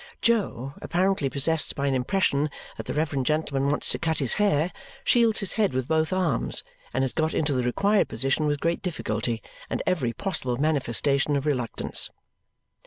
Jo, apparently possessed by an impression that the reverend gentleman wants to cut his hair, shields his head with both arms and is got into the required position with great difficulty and every possible manifestation of reluctance.